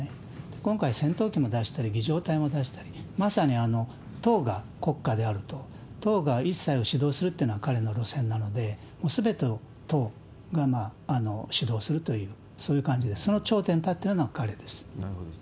今回、戦闘機も出して、儀仗隊も出したり、党が国家であると、党が一切を指導するというのが彼の路線なので、すべてを党が指導するという、その頂点に立ってるのが彼です。